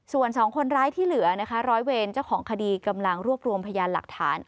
ส่วน๒คนร้ายที่เหลือนะคะร้อยเวรเจ้าของคดีกำลังรวบรวมพยานหลักฐาน